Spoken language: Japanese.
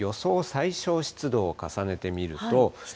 最小湿度を重ねてみると。